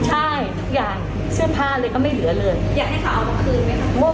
ใช่ทุกอย่างเสื้อผ้าเลยก็ไม่เหลือเลยอยากให้เขาเอาทั้งคืนไหมคะ